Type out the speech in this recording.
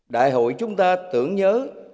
đại hội chúng ta tưởng nhớ